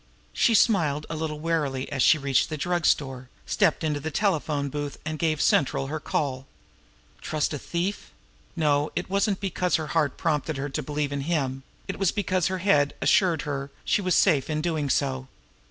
She smiled a little wearily as she reached the drug store, stepped into the telephone booth, and gave central her call. Trust a thief! No, it wasn't because her heart prompted her to believe in him; it was because her head assured her she was safe in doing so.